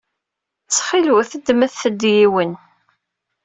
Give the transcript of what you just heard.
Ttxil-wet ddmet-d yiwen.